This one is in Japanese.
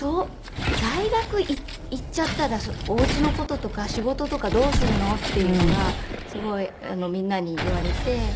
大学行っちゃったらお家の事とか仕事とかどうするの？っていうのがすごいみんなに言われて。